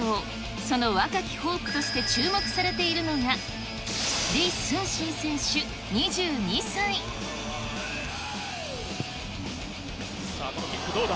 その若きホープとして注目されているのが、さあ、このキックどうだ？